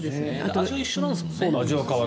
味は一緒なんですもんね。